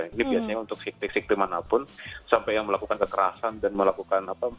ini biasanya untuk sikti sikti manapun sampai yang melakukan kekerasan dan melakukan apa